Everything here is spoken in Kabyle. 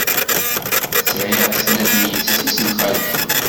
Sɛiɣ snat n yessi-s n xalti.